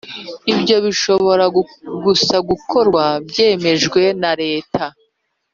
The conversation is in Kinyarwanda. Ibyo bishobora gusa gukorwa byemejwe na leta